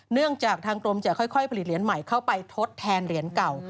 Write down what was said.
เนื่องจากทางกรมจะค่อยผลิตเหรียญใหม่เข้าไปทดแทนเหรียญเก่า